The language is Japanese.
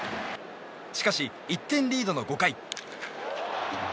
しかし、１点リードの５回。